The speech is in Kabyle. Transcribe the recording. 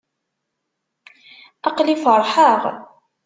Aql-i feṛḥeɣ.